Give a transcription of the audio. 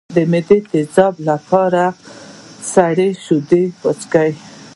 د معدې د تیزابیت لپاره سړې شیدې وڅښئ